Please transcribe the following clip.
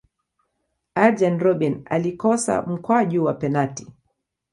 arjen robben alikosa mkwaju wa penati